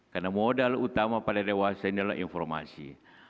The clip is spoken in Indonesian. karena modal utama pada dewasa ini adalah informasi